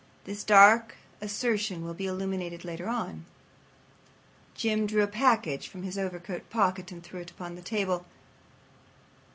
This dark assertion will be illuminated later on. Jim drew a package from his overcoat pocket and threw it upon the table.